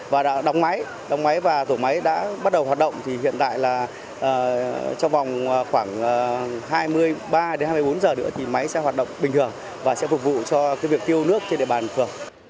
và đã đóng máy đóng máy và tổ máy đã bắt đầu hoạt động thì hiện tại là trong vòng khoảng hai mươi ba đến hai mươi bốn giờ nữa thì máy sẽ hoạt động bình thường và sẽ phục vụ cho việc tiêu nước trên địa bàn phường